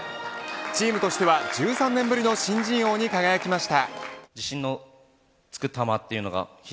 チームとしては１３年ぶりの新人王に輝きました。